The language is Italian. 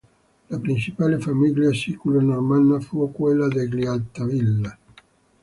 La principale famiglia siculo-normanna fu quella degli Altavilla.